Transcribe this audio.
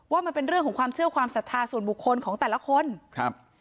ว่ามันเป็นเรื่องของความเชื่อความศรัทธาส่วนบุคคลของแต่ละคนครับ